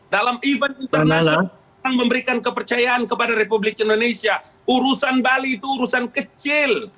dalam event internasional yang memberikan kepercayaan kepada republik indonesia urusan bali itu urusan kecil